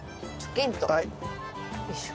よいしょ。